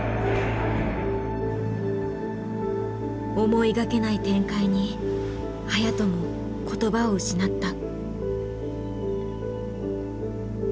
思いがけない展開に颯人も言葉を失った。